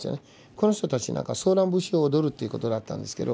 この人たちなんかソーラン節を踊るっていうことだったんですけど